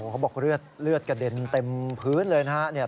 เขาบอกเลือดกระเด็นเต็มพื้นเลยนะครับ